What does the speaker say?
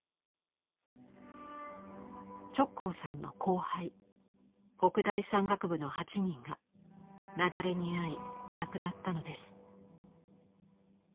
直行さんの後輩北大山岳部の８人が雪崩に遭い亡くなったのです。